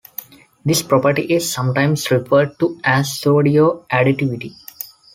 This property is sometimes referred to as "pseudo-additivity".